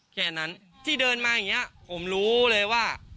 แค่นั้นที่เดินมาอย่างนี้ผมรู้เลยว่า